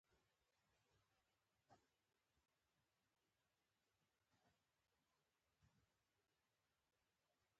هلک همدا پوښتنه تکرار کړه.